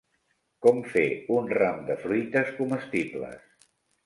Com fer un ram de fruites comestibles.